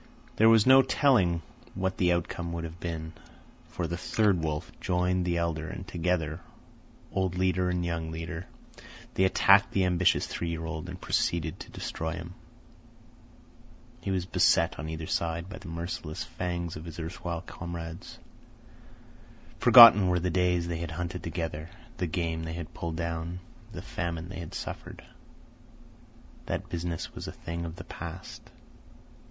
There was no telling what the outcome would have been, for the third wolf joined the elder, and together, old leader and young leader, they attacked the ambitious three year old and proceeded to destroy him. He was beset on either side by the merciless fangs of his erstwhile comrades. Forgotten were the days they had hunted together, the game they had pulled down, the famine they had suffered. That business was a thing of the past.